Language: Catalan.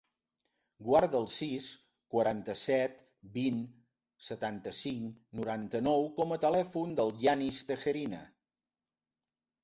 Guarda el sis, quaranta-set, vint, setanta-cinc, noranta-nou com a telèfon del Yanis Tejerina.